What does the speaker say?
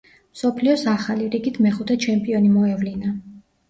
მსოფლიოს ახალი, რიგით მეხუთე ჩემპიონი მოევლინა.